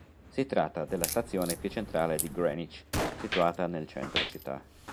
Si tratta della stazione più centrale di Greenwich, situata nel centro città.